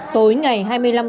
tối ngày hai mươi ba tháng